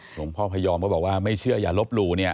หลวงพ่อพยอมก็บอกว่าไม่เชื่ออย่าลบหลู่เนี่ย